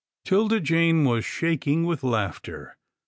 'Tilda Jane was shaking with laughter.